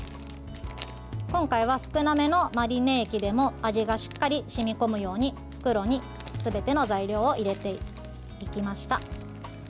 今回は少なめのマリネ液でも味がしっかり染み込むように袋にすべての材料を入れていきました。